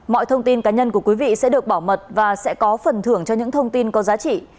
mọi thông tin cá nhân của quý vị sẽ được bảo mật và sẽ có phần thưởng cho những thông tin có giá trị